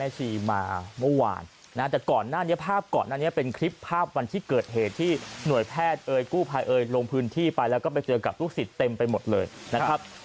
เมื่อวานนะแต่ก่อนหน้านี้ภาพก่อนหน้านี้เป็นคลิปภาพวันที่เกิดเหตุที่หน่วยแพทย์เอ่ยกู้ภัยเอ่ยลงพื้นที่ไปแล้วก็ไปเจอกับลูกศิษย์เต็มไปหมดเลยนะครับ